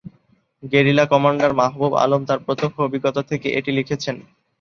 Guerrilla commander Mahbub Alam তার প্রত্যক্ষ অভিজ্ঞতা থেকে এটি লিখেছেন।